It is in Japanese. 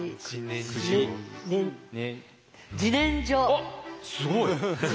あっすごい！